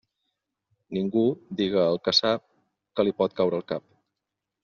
Ningú diga el que sap, que li pot caure el cap.